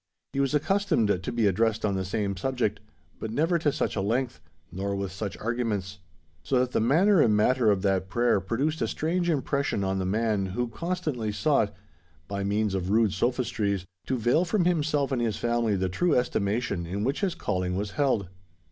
He was accustomed to be addressed on the same subject, but never to such a length, nor with such arguments; so that the manner and matter of that prayer produced a strange impression on the man who constantly sought, by means of rude sophistries, to veil from himself and his family the true estimation in which his calling was held.